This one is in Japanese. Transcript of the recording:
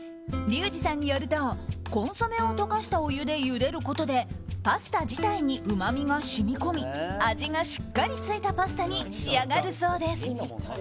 リュウジさんによるとコンソメを溶かしたお湯でゆでることでパスタ自体にうまみが染み込み味がしっかりついたパスタに仕上がるそうです。